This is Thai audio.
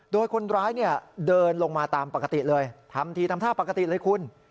โดยคนร้ายเนี่ยเดินลงมาตามปกติเลยทำทีทำท่าปกติเลยคุณ